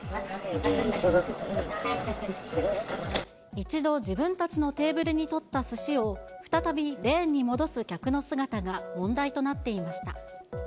一度自分たちのテーブルに取ったすしを、再びレーンに戻す客の姿が問題となっていました。